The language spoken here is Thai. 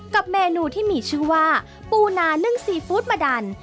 เมนูที่มีชื่อว่าปูนานึ่งซีฟู้ดมาดัน